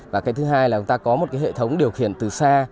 và cái thứ hai là chúng ta có một cái hệ thống điều khiển từ xa